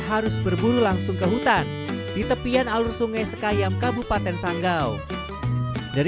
harus berburu langsung ke hutan di tepian alur sungai sekayam kabupaten sanggau dari